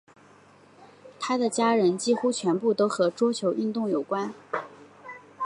她的家人几乎全部都和桌球运动有关。